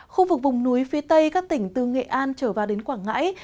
khu vực vùng núi phía tây các tỉnh từ nghệ an trở vào đến quảng ngãi